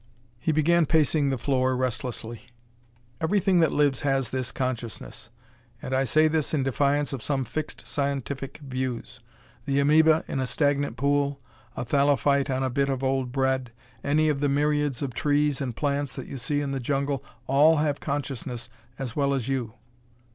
He began pacing the floor restlessly. "Everything that lives has this consciousness, and I say this in defiance of some fixed scientific views. The amoeba in a stagnant pool, a thallophyte on a bit of old bread, any of the myriads of trees and plants that you see in the jungle all have consciousness as well as you.